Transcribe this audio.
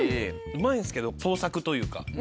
うまいんですけど創作というか。